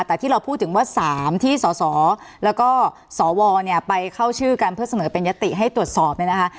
แต่ที่เราพูดถึงว่า๓ที่สสแล้วก็สวเนี่ยไปเข้าชื่อกันเพื่อเสนอเป็นยติให้ตรวจสอบเนี่ยนะคะ